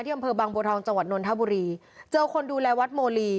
อำเภอบางบัวทองจังหวัดนนทบุรีเจอคนดูแลวัดโมลี